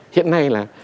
hiện nay là